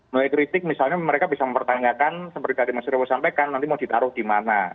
mulai kritik misalnya mereka bisa mempertanyakan seperti tadi mas revo sampaikan nanti mau ditaruh di mana